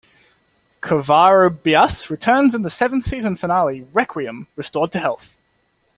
Covarrubias returns in the seventh season finale "Requiem", restored to health.